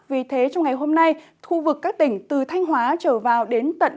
vì thế trong ngày hôm nay khu vực các tỉnh từ thanh hóa trở vào đến tận